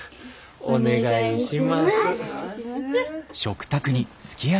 お願いします。